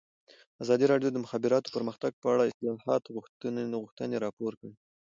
ازادي راډیو د د مخابراتو پرمختګ په اړه د اصلاحاتو غوښتنې راپور کړې.